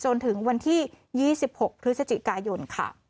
จนถึงวันที่๒๖พฤศจิกายนค่ะ